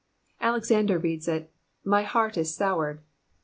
Alexander reads it, My heart is soured."